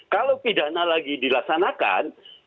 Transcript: kalau pidana lagi dilaksanakan